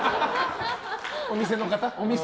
お店の方？